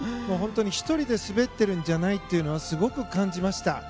本当に１人で滑っているんじゃないというのはすごく感じました。